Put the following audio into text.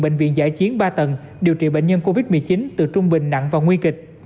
bệnh viện giải chiến ba tầng điều trị bệnh nhân covid một mươi chín từ trung bình nặng và nguy kịch